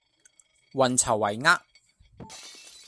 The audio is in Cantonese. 運籌帷幄